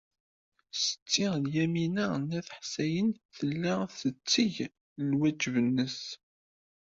Setti Lyamina n At Ḥsayen tella tetteg lwajeb-nnes.